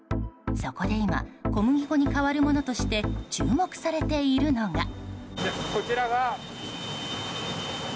そこで今小麦粉に代わるものとして注目されているのが。